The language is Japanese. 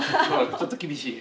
ちょっと厳しい。